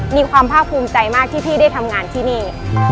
มีความภาคภูมิใจมากที่พี่ได้ทำงานที่นี่